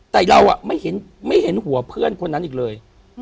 แต่เราไม่เห็นหัวเพื่อนคนนั้นอีกเลย